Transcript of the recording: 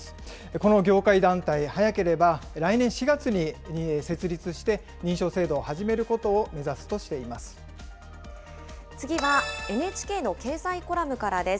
この業界団体、早ければ来年４月に設立して、認証制度を始めることを目指すとし次はＮＨＫの経済コラムからです。